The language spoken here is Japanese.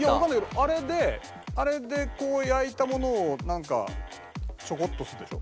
あれであれでこう焼いたものをなんかちょこっとするでしょ？